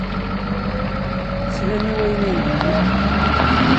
Slan i wayen ay d-nniɣ?